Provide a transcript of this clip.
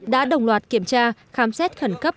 đã đồng loạt kiểm tra khám xét khẩn cấp